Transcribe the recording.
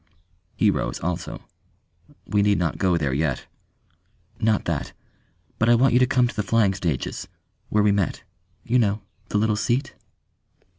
He rose also. "We need not go there yet." "Not that. But I want you to come to the flying stages where we met. You know? The little seat."